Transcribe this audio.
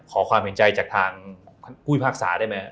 ขอความเห็นใจจากทางผู้พิพากษาได้ไหม